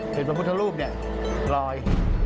เห็นบรรพุทธรูปนี่ลอย